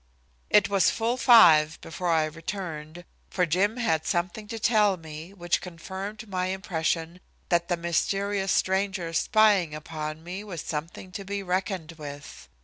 It was full five before I returned, for Jim had something to tell me, which confirmed my impression that the mysterious stranger's spying upon me was something to be reckoned with.